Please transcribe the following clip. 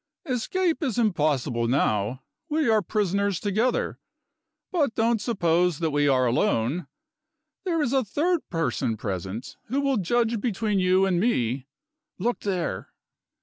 Escape is impossible now. We are prisoners together. But don't suppose that we are alone. There is a third person present, who will judge between you and me. Look there!"